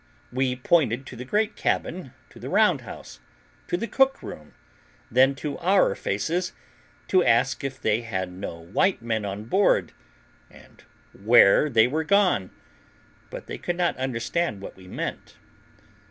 We pointed to the great cabin, to the round house, to the cook room, then to our faces, to ask if they had no white men on board, and where they were gone; but they could not understand what we meant.